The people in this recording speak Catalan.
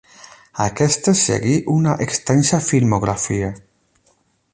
A aquestes seguí una extensa filmografia.